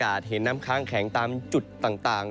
อาทิตย์อยากจะเห็นน้ำค้างแข็งตามจุดต่าง